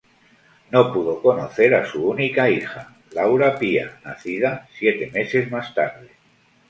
No pudo conocer a su única hija, Laura Pía, nacida siete meses más tarde.